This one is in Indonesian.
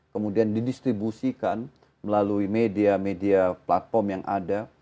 kemudian didistribusikan melalui media media platform yang ada